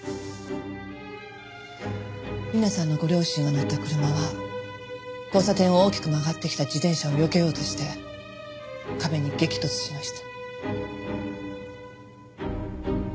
理奈さんのご両親が乗った車は交差点を大きく曲がってきた自転車を避けようとして壁に激突しました。